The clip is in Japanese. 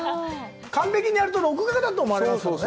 完璧にやると録画だと思われますよね。